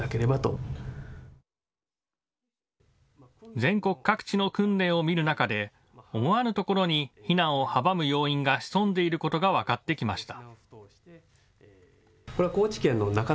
全国各地の訓練を見る中で思わぬところに避難を阻む要因が潜んでいることが分かってきました。